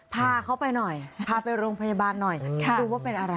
พาเขาไปหน่อยพาไปโรงพยาบาลหน่อยดูว่าเป็นอะไร